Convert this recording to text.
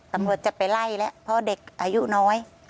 ตำรวจจะไปไล่แล้วเพราะเด็กอายุน้อย